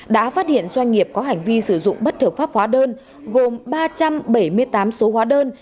đã phát hiện doanh nghiệp có hành vi sử dụng bất hợp pháp hóa đơn gồm ba trăm bảy mươi tám số hóa đơn